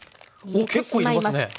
おっ結構入れますね。